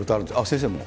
先生も？